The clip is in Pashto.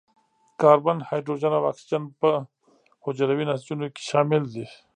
کاربن، هایدروجن او اکسیجن په حجروي نسجونو کې شامل دي.